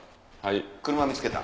車見つけた。